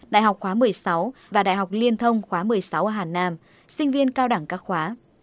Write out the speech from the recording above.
đại học khóa một mươi sáu và đại học liên thông khóa một mươi sáu ở hàn nam sinh viên cao đẳng các khóa